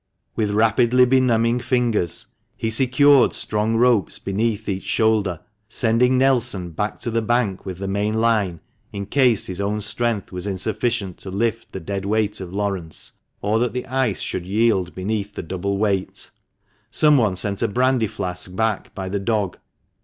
With rapidly benumbing ringers he secured strong ropes beneath each shoulder, sending Nelson back to the bank with the main line, in case his own strength was insufficient to lift the dead weight of Laurence, or that the ice should yield beneath the double weight. Someone sent a brandy flask back by the dog.